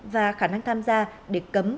và khả năng tham gia để cấm